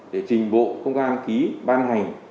để trình bộ công an ký ban hành